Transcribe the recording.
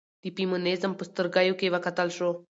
د فيمنيزم په سترګيو کې وکتل شو